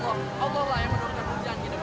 assalamualaikum selamat malam